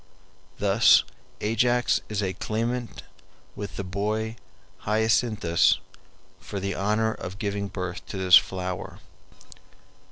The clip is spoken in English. Thus Ajax is a claimant with the boy Hyacinthus for the honor of giving birth to this flower.